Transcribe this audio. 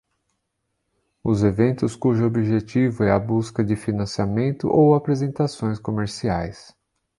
Os eventos cujo objetivo é a busca de financiamento ou apresentações comerciais.